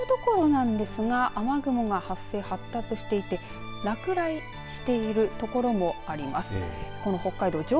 ところどころなんですが雨雲が発生、発達していて落雷している所もあります。